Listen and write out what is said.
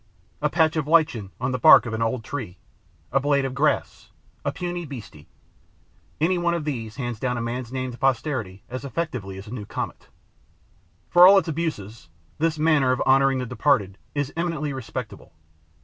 A patch of lichen on the bark of an old tree, a blade of grass, a puny beastie: any one of these hands down a man's name to posterity as effectively as a new comet. For all its abuses, this manner of honouring the departed is eminently respectable.